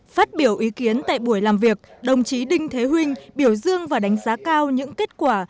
phát biểu ý kiến tại buổi làm việc đồng chí đinh thế huynh biểu dương và đánh giá cao những kết quả